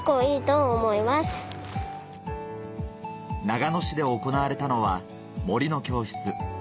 長野市で行われたのは「森の教室」